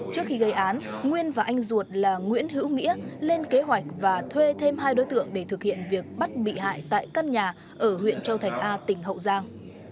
trước khi gây án nguyên và anh ruột là nguyễn hữu nghĩa lên kế hoạch và thuê thêm hai đối tượng để thực hiện việc bắt bị hại tại căn nhà ở huyện châu thành a tỉnh hậu giang